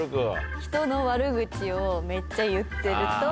人の悪口をめっちゃ言ってると。